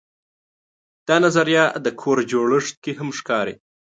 دا نظریه د کور جوړښت کې هم ښکاري.